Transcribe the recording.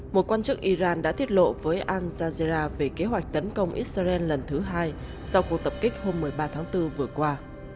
một quan chức iran đã thiết lộ với al jazera về kế hoạch tấn công israel lần thứ hai sau cuộc tập kích hôm một mươi ba tháng bốn vừa qua